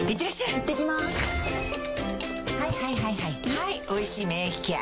はい「おいしい免疫ケア」